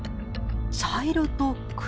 茶色と黒。